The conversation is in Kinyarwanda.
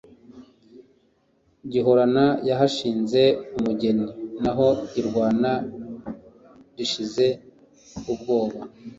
Gihorano yahashinze umugeni. Naho irwana rishize ubwoba,